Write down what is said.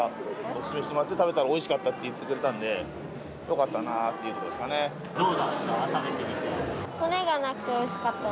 お勧めしてもらって、食べたらおいしかったって言ってくれたんで、よかったなっていうどうだった？